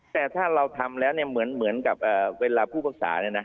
แต่ถ้าเราทำแล้วเนี่ยเหมือนกับเวลาผู้ปรึกษาเนี่ยนะ